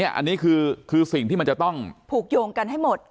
อันนี้คือสิ่งที่มันจะต้องผูกโยงกันให้หมด